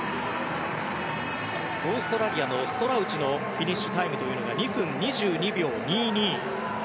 オーストラリアのストラウチのフィニッシュタイムが２分２２秒２２。